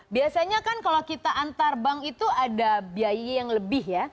biasanya kan kalau kita antar bank itu ada biaya yang lebih ya